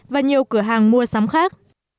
và nhiều cửa hàng mua sắm khác